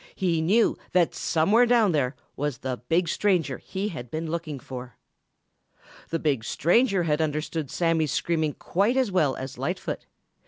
He knew that somewhere down there was the big stranger he had been looking for. The big stranger had understood Sammy's screaming quite as well as Lightfoot.